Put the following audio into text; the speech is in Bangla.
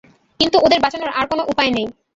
কিন্তু ওদের বাঁচানোর আর কোন উপায় নেই।